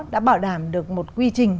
đã bảo đảm được một quy trình